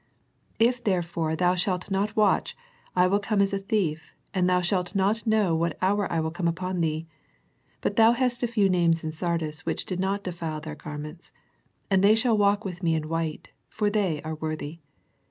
If therefore thou shalt not watch, I will come as a thief, and thou shalt not know what hour I will come upon thee. But thou hast a few names in Sardis which did not defile their garments: and they shall walk with Me in white; for they are worthy.